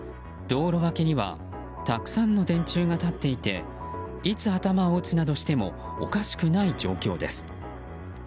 道路脇にはたくさんの電柱が立っていていつ頭を打つなどしてもおかしくない状況です。